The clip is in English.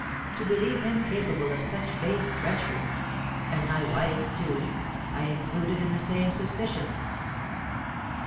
to believe him capable of such base treachery! And my wife, too, I included in the same suspicion!